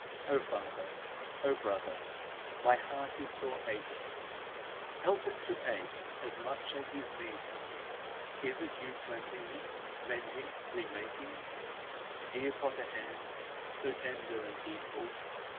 O Father, O Brother, my heart is sore aching Help it to ache as much as is needful; Is it you cleansing me, mending, remaking, Dear potter hands, so tender and heedful?